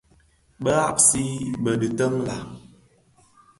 Bëghasi bèè dhitin la?